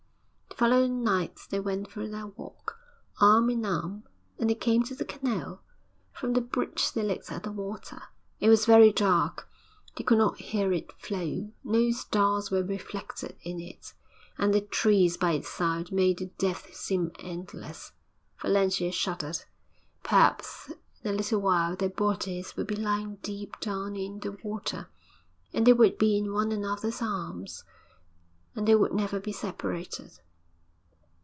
The following night they went for their walk, arm in arm; and they came to the canal. From the bridge they looked at the water. It was very dark; they could not hear it flow. No stars were reflected in it, and the trees by its side made the depth seem endless. Valentia shuddered. Perhaps in a little while their bodies would be lying deep down in the water. And they would be in one another's arms, and they would never be separated.